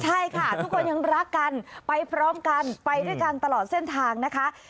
ใช่ค่ะทุกคนยังรักกันไปพร้อมกันไปด้วยกันตลอดเส้นทางนะคะ